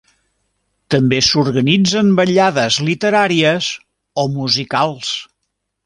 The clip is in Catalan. També s'organitzen vetllades literàries o musicals.